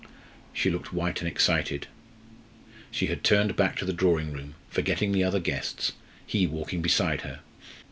She looked white and excited. She had turned back to the drawing room, forgetting the other guests, he walking beside her.